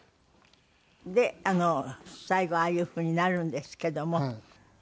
で最後ああいうふうになるんですけども。